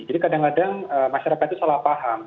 jadi kadang kadang masyarakat itu salah paham